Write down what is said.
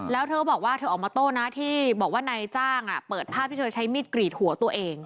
แล้วเธอบอกว่าเธอออกมาโต้นะที่บอกว่านายจ้างเปิดภาพที่เธอใช้มีดกรีดหัวตัวเอง